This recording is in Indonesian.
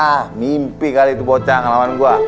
ah mimpi kali itu bocah ngelawan gue